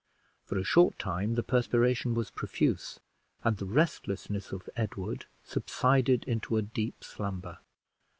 For a short time the perspiration was profuse, and the restlessness of Edward subsided into a deep slumber.